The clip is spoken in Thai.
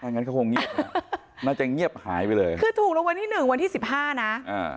งั้นก็คงเงียบน่าจะเงียบหายไปเลยคือถูกรางวัลที่หนึ่งวันที่สิบห้านะอ่า